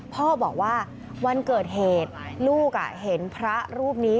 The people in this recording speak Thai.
พ่อบอกว่าวันเกิดเหตุลูกเห็นพระรูปนี้